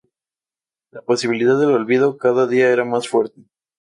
La posibilidad del olvido, cada día era más fuerte.